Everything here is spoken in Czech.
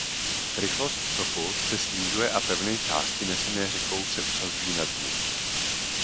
Rychlost toku se snižuje a pevné části nesené řekou se usazují na dně.